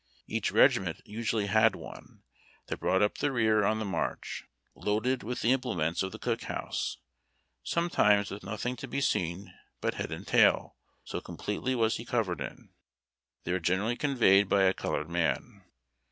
Each regiment usually had one, that brought up the rear on the march, loaded with the implements of the cook house — sometimes with nothing to be seen but head and tail, so completely was he covered in. They were generally convoyed by a colored man.